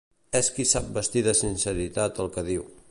És qui sap vestir de sinceritat el que diu.